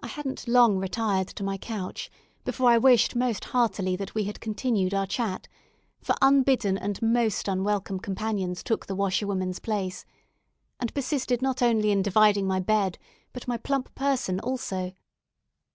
I hadn't long retired to my couch before I wished most heartily that we had continued our chat; for unbidden and most unwelcome companions took the washerwoman's place, and persisted not only in dividing my bed, but my plump person also.